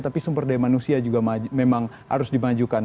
tapi sumber daya manusia juga memang harus dimajukan